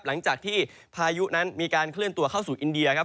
หลังจากที่พายุนั้นมีการเคลื่อนตัวเข้าสู่อินเดียครับ